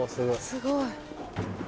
すごい。